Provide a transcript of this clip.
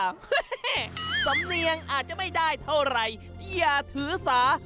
แม่สำเนียงอาจจะไม่ได้เท่าไหร่อย่าถือสา